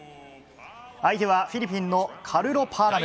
相手はフィリピンのカルロ・パアラム。